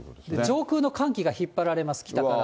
上空の寒気が引っ張られます、北から。